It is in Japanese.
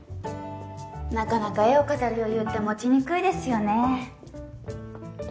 なかなか絵を飾る余裕って持ちにくいですよね